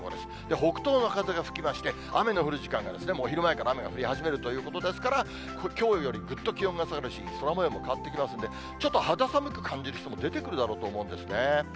北東の風が吹きまして、雨の降る時間が、昼前から雨が降り始めるということですから、きょうよりぐっと気温が下がるし、空もようも変わってきますんで、ちょっと肌寒く感じる人も出てくるだろうと思うんですね。